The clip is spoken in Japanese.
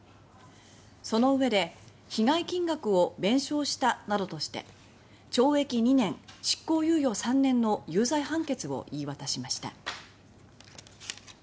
そのうえで被害金額を弁償したなどとして懲役２年・執行猶予３年の有罪判決を言い渡しました。